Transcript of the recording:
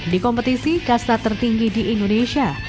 di kompetisi kasta tertinggi di indonesia